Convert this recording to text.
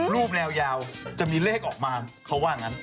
แนวยาวจะมีเลขออกมาเขาว่างั้น